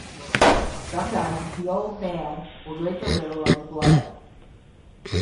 Sometimes the old man will drink a little of the blood.